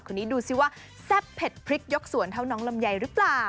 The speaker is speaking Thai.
ดูสิว่าแซ่บเผ็ดพริกยกสวนเท่าน้องลำไยหรือเปล่า